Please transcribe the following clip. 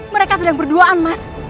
mereka sedang berduaan mas